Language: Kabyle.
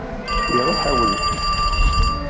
Iṛuḥ-awen.